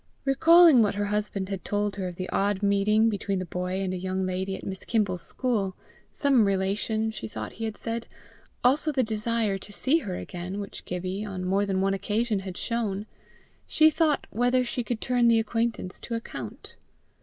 Recalling what her husband had told her of the odd meeting between the boy and a young lady at Miss Kimble's school some relation, she thought he had said also the desire to see her again which Gibbie, on more than one occasion, had shown, she thought whether she could turn the acquaintance to account.